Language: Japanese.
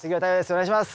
お願いします。